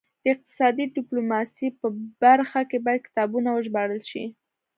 د اقتصادي ډیپلوماسي په برخه کې باید کتابونه وژباړل شي